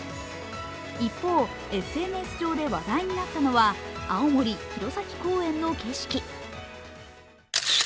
一方、ＳＮＳ上で話題になったのは青森・弘前公園の景色。